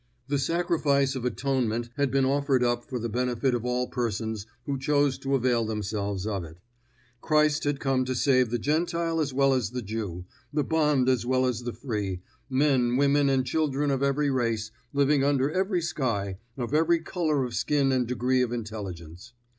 The sacrifice of atonement had been offered up for the benefit of all persons who chose to avail themselves of it. Christ had come to save the Gentile as well as the Jew, the bond as well as the free, men, women and children of every race, living under every sky, of every color of skin and degree of intelligence.